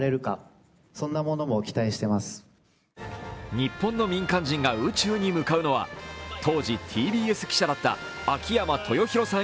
日本の民間人が宇宙に向かうのは当時ＴＢＳ記者だった秋山豊寛さん